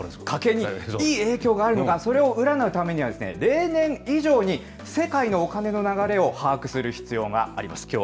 家計にいい影響があるのか、それを占うためには、例年以上に、世界のお金の流れを把握する必要があります。